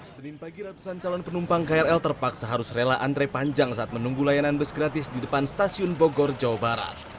senin pagi ratusan calon penumpang krl terpaksa harus rela antre panjang saat menunggu layanan bus gratis di depan stasiun bogor jawa barat